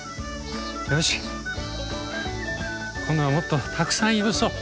よし今度はもっとたくさんいぶそう。